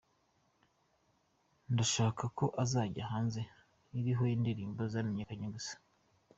Ndashaka ko izajya hanze iriho indirimbo zamenyekanye gusa”.